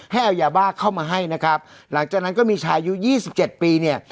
ให้เอายาบ้าเข้ามาให้นะครับหลังจากนั้นก็มีชายอายุยี่สิบเจ็ดปีเนี่ย